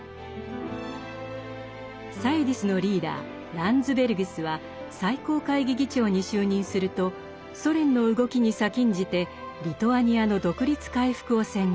サユディスのリーダーランズベルギスは最高会議議長に就任するとソ連の動きに先んじてリトアニアの独立回復を宣言。